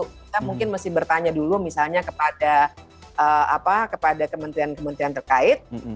kita mungkin mesti bertanya dulu misalnya kepada kementerian kementerian terkait